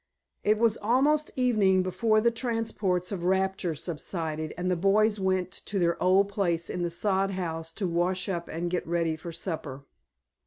It was almost evening before the transports of rapture subsided and the boys went to their old place in the sod house to wash up and get ready for supper.